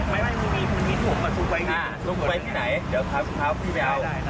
ไม่เป็นวินวิสุขวัสทุกวันไปที่ไหนเดี๋ยวพร้อมพื้นทราบพื้นไปเอา